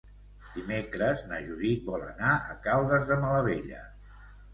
Dimecres na Judit vol anar a Caldes de Malavella.